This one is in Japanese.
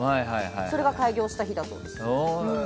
それが開業した日だそうです。